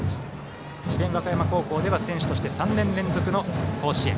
智弁和歌山高校では選手として３年連続の甲子園。